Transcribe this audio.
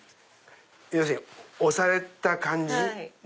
要するに押された感じ。